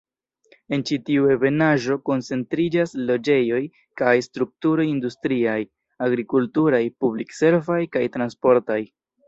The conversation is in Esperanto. En ĉi tiu ebenaĵo koncentriĝas loĝejoj kaj strukturoj industriaj, agrikulturaj, publik-servaj kaj transportaj.